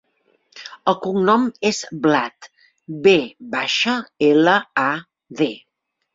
El cognom és Vlad: ve baixa, ela, a, de.